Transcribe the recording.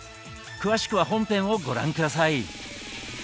詳しくは本編をご覧下さい。